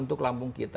untuk lambung kita